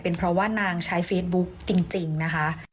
เป็นเพราะว่านางใช้เฟซบุ๊กจริงนะคะ